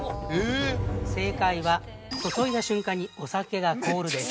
◆正解は、注いだ瞬間にお酒が凍るです。